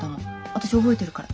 私覚えてるから。